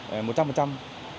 và sẽ tăng cường một trăm linh